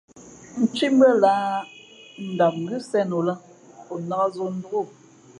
Ntímbʉ́ά lah mēn ndam ngʉ́ sēn o lά, o nāk zǒ ndôk o.